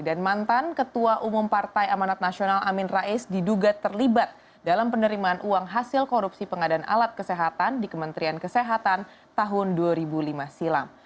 dan mantan ketua umum partai amanat nasional amir rais diduga terlibat dalam penerimaan uang hasil korupsi pengadaan alat kesehatan di kementerian kesehatan tahun dua ribu lima silam